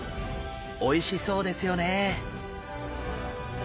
おいしそうですよね。